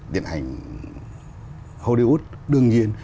điện ảnh hollywood đương nhiên